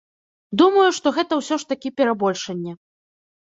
Думаю, што гэта ўсё ж такі перабольшанне.